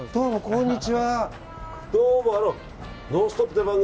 こんにちは。